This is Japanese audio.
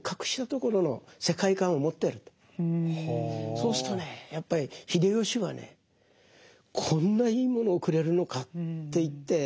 そうするとねやっぱり秀吉はねこんないいものをくれるのかっていって。